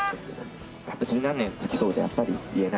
十何年付き添うとやっぱり言えない。